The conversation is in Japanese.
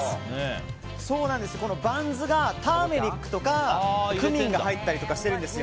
バンズがターメリックとかクミンが入ったりとかしています。